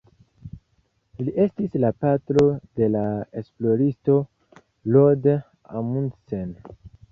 Li estis la patro de la esploristo Roald Amundsen.